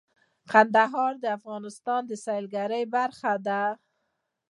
کندهار د افغانستان د سیلګرۍ برخه ده.